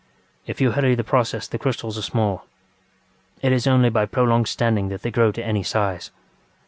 If you hurry the process the crystals are smallŌĆöit is only by prolonged standing that they grow to any size.